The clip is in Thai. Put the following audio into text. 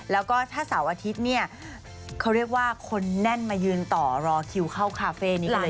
แล้วก็ถ้าเสาร์อาทิตย์เนี่ยเขาเรียกว่าคนแน่นมายืนต่อรอคิวเข้าคาเฟ่นี้เลย